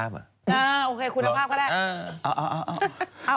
โอเคคุณภาพก็ได้